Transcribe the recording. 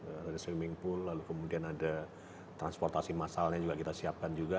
ada swimming pool lalu kemudian ada transportasi massalnya juga kita siapkan juga